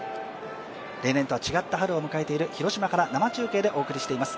例年とは違った春を迎えている広島から生中継でお送りしています。